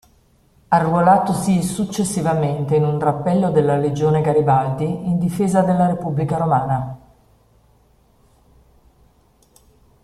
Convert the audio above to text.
Arruolatosi successivamente in un drappello della Legione Garibaldi in difesa della Repubblica Romana.